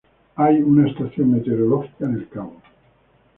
Hay una estación meteorológica en el cabo.